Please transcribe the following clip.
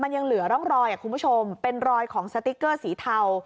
มันยังเหลือร่องรอยคุณผู้ชมเป็นรอยของสติ๊กเกอร์สีเทา